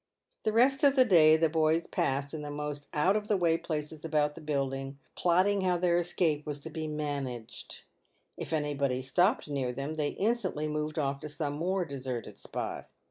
The rest of the day the boys passed in the most out of the way places about the building, plotting how their escape was to be managed. If anybody stopped near them, they instantly moved off to some more deserted spot.